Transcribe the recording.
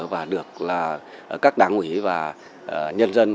và được các đảng ủy và nhân dân